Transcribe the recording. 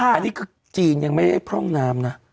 อันนี้คือจีนยังไม่ได้พร่องน้ำนะ